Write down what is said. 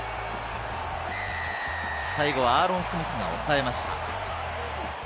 最後はアーロン・スミスが抑えました。